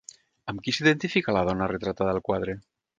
Amb qui s'identificà la dona retratada al quadre?